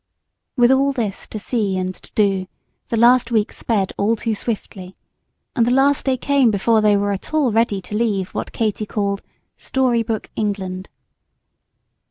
With all this to see and to do, the last week sped all too swiftly, and the last day came before they were at all ready to leave what Katy called "Story book England."